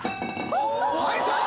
入った！